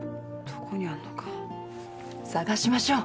捜しましょう。